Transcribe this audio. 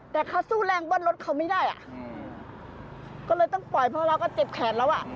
แต่เขาสู้แรงเบิ้ลรถเขาไม่ได้อ่ะอืมก็เลยต้องปล่อยเพราะเราก็เจ็บแขนแล้วอ่ะ